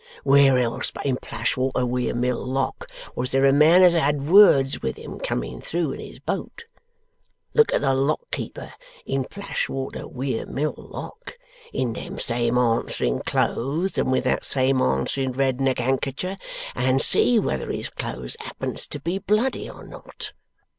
Where else but in Plashwater Weir Mill Lock was there a man as had had words with him coming through in his boat? Look at the Lock keeper in Plashwater Weir Mill Lock, in them same answering clothes and with that same answering red neckhankercher, and see whether his clothes happens to be bloody or not.